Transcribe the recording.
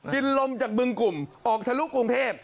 ลมจากบึงกลุ่มออกทะลุกรุงเทพ